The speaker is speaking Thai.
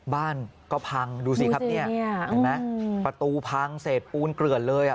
บ้านก็พังดูสิครับประตูพังเสร็จปูนเกลือดเลย